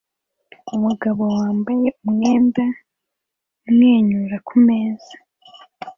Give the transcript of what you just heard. Umugabo wambaye umwenda amwenyura kumeza